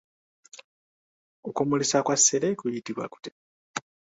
Okumulisa kwa ssere kuyitibwa kutya?